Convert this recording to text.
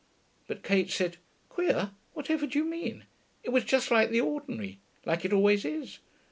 But Kate said, 'Queer! Whatever do you mean? It was just like the ordinary; like it always is....